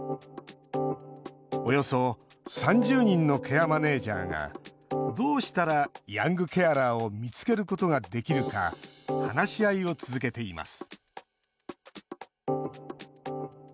およそ３０人のケアマネージャーがどうしたらヤングケアラーを見つけることができるか話し合いを続けています